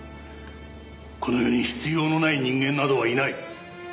この世に必要のない人間などはいない。